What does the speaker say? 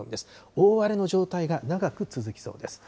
大荒れの状態が長く続きそうです。